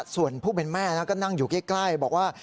ส่วนผู้เป็นแม่ก็นั่งอยู่ใกล้บอกว่า